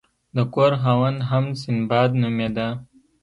د کور خاوند هم سنباد نومیده.